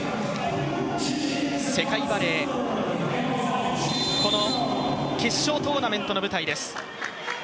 世界バレー、この決勝トーナメントの舞台です。